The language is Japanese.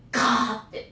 って。